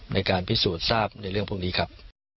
ในการพิสูจน์ทราบในเรื่องพวกนี้ครับ